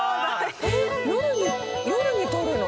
夜に採るの？